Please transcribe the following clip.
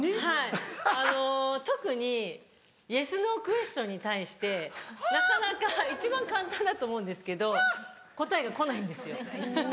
はいあの特にイエスノークエスチョンに対してなかなか一番簡単だと思うんですけど答えが来ないんですよ。